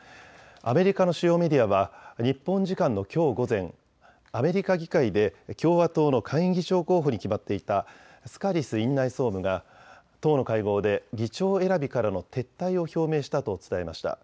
アメリカの主要メディアは日本時間のきょう午前、アメリカ議会で共和党の下院議長候補に決まっていたスカリス院内総務が党の会合で議長選びからの撤退を表明したと伝えました。